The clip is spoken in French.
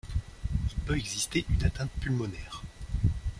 Il peut exister une atteinte pulmonaire.